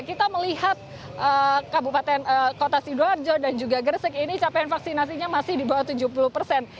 kita melihat kota sidoarjo dan juga gresik ini capaian vaksinasinya masih di bawah tujuh puluh persen